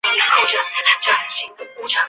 九嶷山相传为舜帝安葬之地。